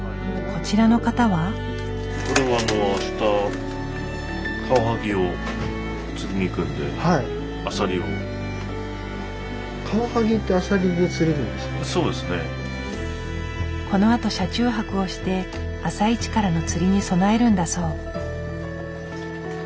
このあと車中泊をして朝イチからの釣りに備えるんだそう。